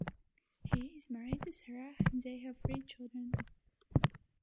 He is married to Sarah and they have three children.